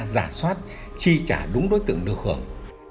giả soát chi trả đúng đối tượng được hưởng